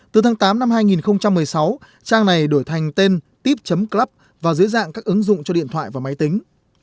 từ tháng tám năm hai nghìn một mươi sáu trang này đổi thành tên tip club và dưới dạng các ứng dụng cho điện thoại và máy tính